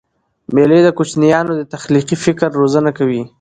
مېلې د کوچنيانو د تخلیقي فکر روزنه کوي.